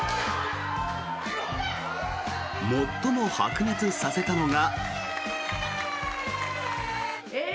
最も白熱させたのが。